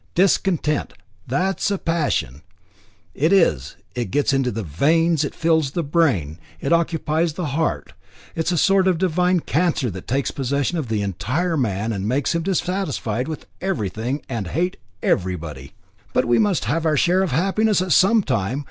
Discontent! That's a passion, it is it gets into the veins, it fills the brain, it occupies the heart; it's a sort of divine cancer that takes possession of the entire man, and makes him dissatisfied with everything, and hate everybody. But we must have our share of happiness at some time.